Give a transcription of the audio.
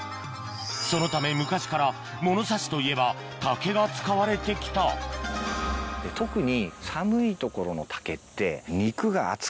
そのため昔からものさしといえば竹が使われて来た特に。